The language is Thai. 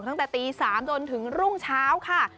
ตั้งแต่ตี๓จนถึงรุ่งเช้าค่ะ